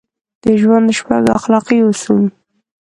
د ژوند شپږ اخلاقي اصول: